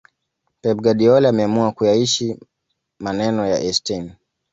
Pep Guadiola ameamua kuyaishi maneno ya Eistein